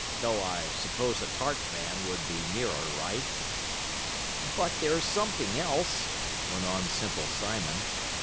"Though I s'pose a tart man would be nearer right." "But there's something else," went on Simple Simon.